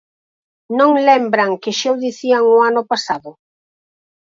¿Non lembran que xa o dicían o ano pasado?